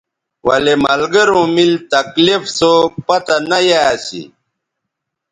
ولے ملگروں میل تکلیف سو پتہ نہ یا اسی